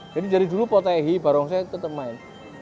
jadi dari dulu potehi barongse tetap main